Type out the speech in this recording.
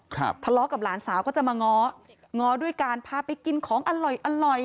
ทะเลาะกับหลานสาวก็จะมาง้อง้อด้วยการพาไปกินของอร่อยอร่อย